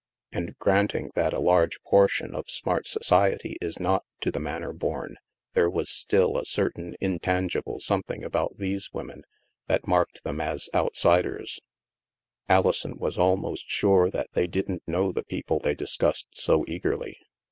And, granting that a large portion of smart society is not to the manor bom, there was still a certain intangible something about these women that marked them as outsiders ; Alison was almost sure that they didn't know the people they discussed so eagerly.